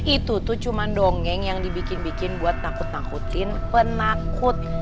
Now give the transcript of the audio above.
itu tuh cuma dongeng yang dibikin bikin buat takut takutin penakut